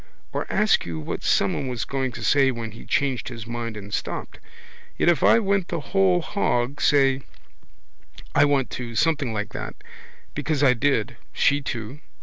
Or ask you what someone was going to say when he changed his mind and stopped. Yet if I went the whole hog, say: I want to, something like that. Because I did. She too.